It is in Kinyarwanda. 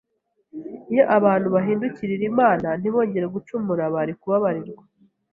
Iyo abantu bahindukirira Imana, ntibongere gucumura, bari kubabarirwa.